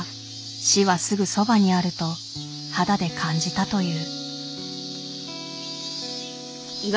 死はすぐそばにあると肌で感じたという。